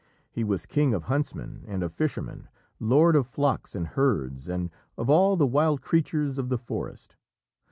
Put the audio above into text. He was king of huntsmen and of fishermen, lord of flocks and herds and of all the wild creatures of the forest.